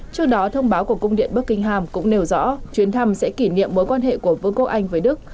trước đó thông báo của cung điện buckingham cũng nêu rõ chuyến thăm sẽ kỷ niệm mối quan hệ của vương quốc anh với đức